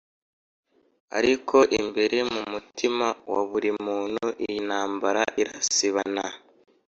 . Ariko imbere mu mutima wa buri muntu iyi ntambara irasibana